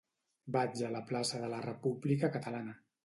Vaig a la plaça de la República Catalana.